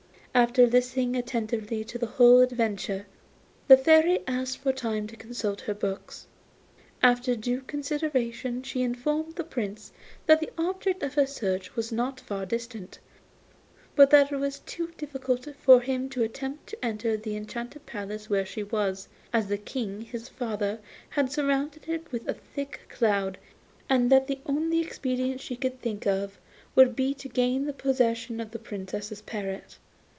After listening attentively to the whole adventure, the Fairy asked for time to consult her books. After due consideration she informed the Prince that the object of his search was not far distant, but that it was too difficult for him to attempt to enter the enchanted palace where she was, as the King his father had surrounded it with a thick cloud, and that the only expedient she could think of would be to gain possession of the Princess's parrot.